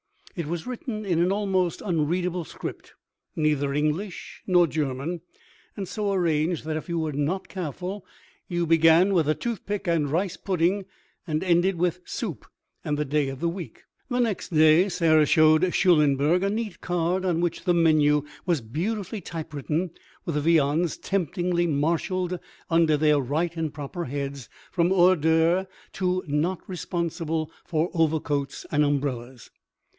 It was written in an almost unreadable script neither English nor German, and so arranged that if you were not careful you began with a toothpick and rice pudding and ended with soup and the day of the week. The next day Sarah showed Schulenberg a neat card on which the menu was beautifully typewritten with the viands temptingly marshalled under their right and proper heads from "hors d'oeuvre" to "not responsible for overcoats and umbrellas."